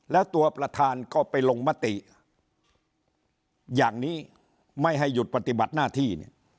แล้วตัวประธานก็ไปลงมติอย่างนี้ไม่ให้หยุดปฏิบัติหน้าที่เนี่ย